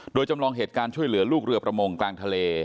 โดยจำลองเหตุการณ์ช่วยเหลือลูกเรือประมงกลางทะเล